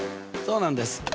そうなんです。